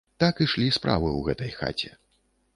Так ішлі справы ў гэтай хаце.